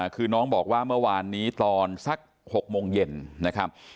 คือน้องบอกว่าเมื่อวานนี้ตอนสัก๖โมงเย็นนะครับ